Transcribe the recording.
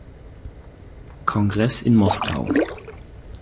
Kongress in Moskau.